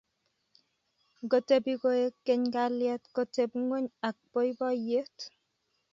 Ngotebi koekeny kalyet koteb ngwony ak boiboiyet